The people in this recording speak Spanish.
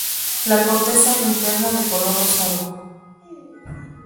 La corteza interna de color rosado.